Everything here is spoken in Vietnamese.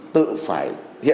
tự phải hiện đại mình trước